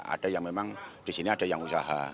ada yang memang di sini ada yang usaha